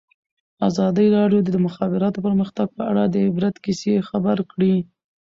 ازادي راډیو د د مخابراتو پرمختګ په اړه د عبرت کیسې خبر کړي.